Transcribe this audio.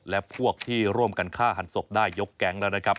และพวกที่ร่วมกันฆ่าหันศพได้ยกแก๊งแล้วนะครับ